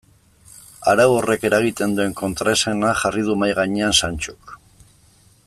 Arau horrek eragiten duen kontraesana jarri du mahai gainean Santxok.